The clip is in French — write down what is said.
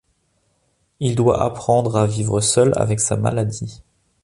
Il doit apprendre à vivre seul avec sa maladie.